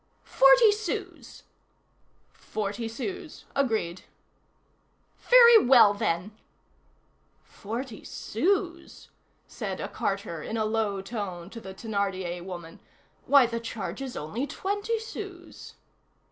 "Forty sous." "Forty sous; agreed." "Very well, then!" "Forty sous!" said a carter, in a low tone, to the Thénardier woman; "why, the charge is only twenty sous!"